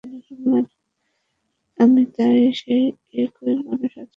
আমি তাই সেই একই মানুষ আছি, বিখ্যাত হওয়ার আগে যেমন ছিলাম।